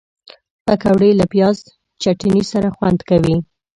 پکورې له پیاز چټني سره خوند کوي